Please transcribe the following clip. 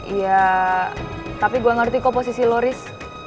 ya tapi gue gak ngerti kok posisi lo ris